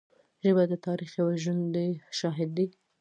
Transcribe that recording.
ژبه د تاریخ یو ژوندی شاهد دی